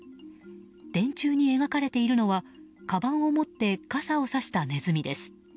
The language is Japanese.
電柱に描かれているのはかばんを持って傘をさしたネズミです。